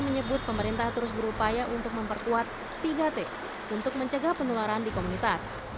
menyebut pemerintah terus berupaya untuk memperkuat tiga t untuk mencegah penularan di komunitas